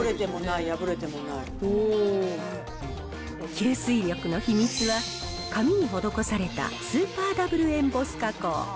吸水力の秘密は、紙に施されたスーパーＷエンボス加工。